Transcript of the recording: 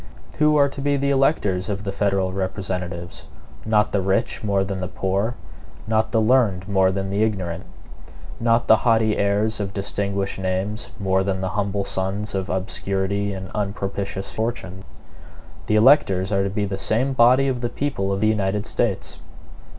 Who are to be the electors of the federal representatives? Not the rich, more than the poor; not the learned, more than the ignorant; not the haughty heirs of distinguished names, more than the humble sons of obscurity and unpropitious fortune. The electors are to be the great body of the people of the United States.